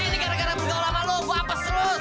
ini gara gara bergaul sama lu gua apa selut